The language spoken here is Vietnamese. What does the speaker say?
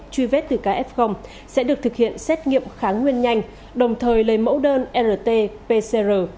truy vết từ kf sẽ được thực hiện xét nghiệm kháng nguyên nhanh đồng thời lấy mẫu đơn rt pcr